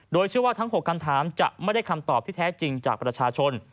โดยเชื่อว่าทั้ง๖คำถามจะไม่ได้คำตอบที่แท้จริงจากประชาชน